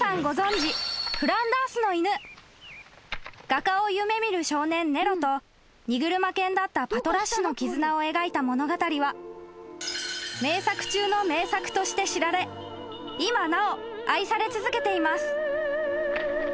［画家を夢見る少年ネロと荷車犬だったパトラッシュの絆を描いた物語は名作中の名作として知られ今なお愛され続けています］